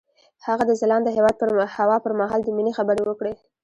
هغه د ځلانده هوا پر مهال د مینې خبرې وکړې.